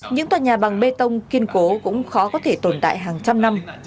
những tòa nhà bằng bê tông kiên cố cũng khó có thể tồn tại hàng trăm năm